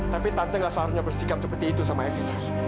tapi tante gak seharusnya bersikap seperti itu sama evita